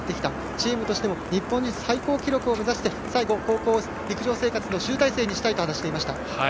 チームとしても日本人最高記録を目指して最後、高校陸上生活の集大成にしたいと話していました。